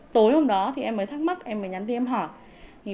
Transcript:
tối hôm đó em mới thắc mắc em mới nhắn thêm hỏi